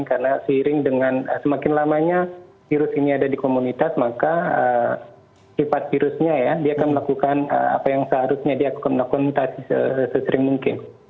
karena seiring dengan semakin lamanya virus ini ada di komunitas maka sifat virusnya ya dia akan melakukan apa yang seharusnya dia akan melakukan sesering mungkin